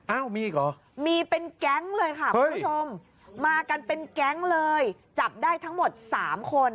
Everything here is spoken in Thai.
เอ้ามีอีกเหรอมีเป็นแก๊งเลยค่ะคุณผู้ชมมากันเป็นแก๊งเลยจับได้ทั้งหมด๓คน